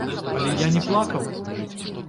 Але я не плакаў!